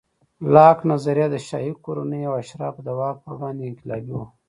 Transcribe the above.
لاک نظریه د شاهي کورنیو او اشرافو د واک پر وړاندې انقلابي وه.